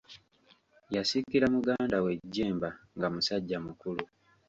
Yasikira muganda we Jjemba nga musajja mukulu.